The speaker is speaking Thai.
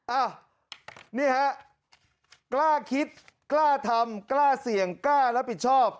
อ้าวนี่ฮะกล้าคิดกล้าทำกล้าเสี่ยงกล้ารับผิดชอบ